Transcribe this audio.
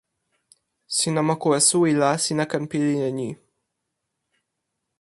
sina moku e suwi la sina ken pilin e ni.